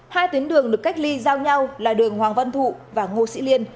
hai tuyến đường được cách ly giao nhau là đường hoàng văn thụ và ngô sĩ liên